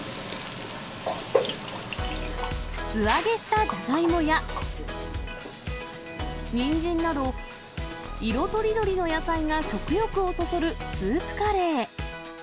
素揚げしたジャガイモや、ニンジンなど、色とりどりの野菜が食欲をそそるスープカレー。